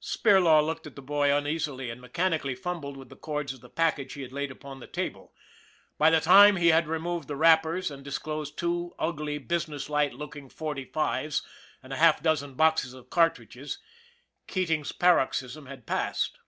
Spirlaw looked at the boy uneasily, and mechan ically fumbled with the cords of the package he had laid upon the table. By the time he had removed the wrappers and disclosed two ugly, businesslike looking .455 and a half dozen boxes of cartridges, Keating's paroxysm had passed.